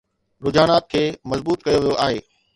رجحانات کي مضبوط ڪيو ويو آهي